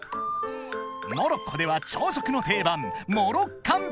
［モロッコでは朝食の定番モロッカンピザ］